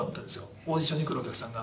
オーディションに来るお客さんが。